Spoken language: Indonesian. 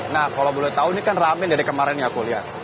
nah kalau boleh tahu ini kan ramen dari kemarin ya kuliah